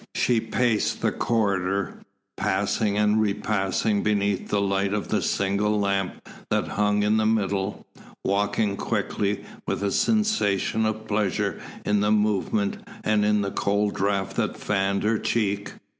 She paced the corridor, passing and repassing beneath the light of the single lamp that hung in the middle, walking quickly, with a sensation of pleasure in the movement and in the cold draught that fanned her cheek.